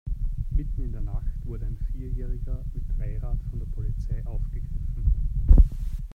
Mitten in der Nacht wurde ein Vierjähriger mit Dreirad von der Polizei aufgegriffen.